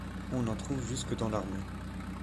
On en trouve jusque dans l'armée.